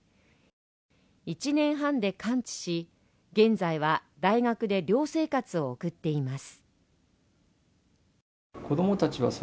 １年半で完治し、現在は大学で寮生活を送っています。